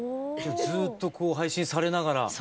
ずっと配信されながら？